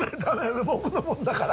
もう僕のもんだから。